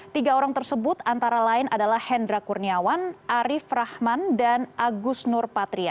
tiga orang tersebut antara lain adalah hendra kurniawan arief rahman dan agus nur patria